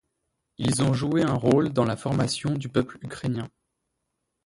Ils ont joué un rôle dans la formation du peuple ukrainen.